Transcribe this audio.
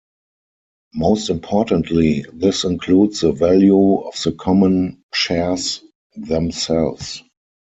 Most importantly, this includes the value of the common shares themselves.